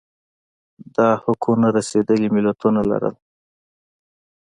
دا حقونه رسېدلي ملتونه لرل